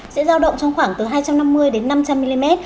sẽ giao động trong khoảng từ hai trăm năm mươi đến năm trăm linh mm